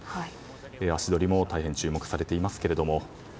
足取りも大変、注目されています。